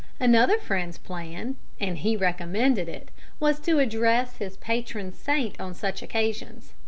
Another friend's plan (and he recommended it) was to address his patron saint on such occasions.